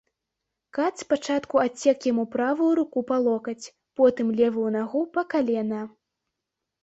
Кат спачатку адсек яму правую руку па локаць, потым левую нагу па калена.